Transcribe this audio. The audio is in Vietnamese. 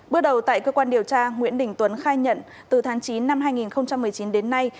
bước đầu tại cơ quan điều tra nguyễn đình tuấn khai nhận từ tháng chín năm hai nghìn một mươi chín đến nay